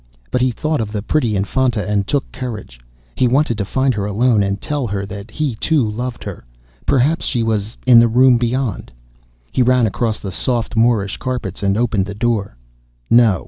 But he thought of the pretty Infanta, and took courage. He wanted to find her alone, and to tell her that he too loved her. Perhaps she was in the room beyond. He ran across the soft Moorish carpets, and opened the door. No!